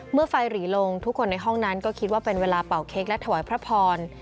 เมื่อไฟหรี่ลงทุกคนในห้องนั้นก็คิดว่าเป็นเวลาเป่าเค้กและถวายพระพร